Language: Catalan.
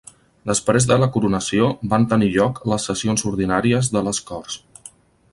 Després de la coronació van tenir lloc les sessions ordinàries de les Corts.